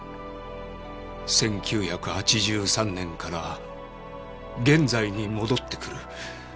１９８３年から現在に戻ってくる。